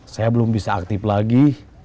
saya belum bisa aktif lagi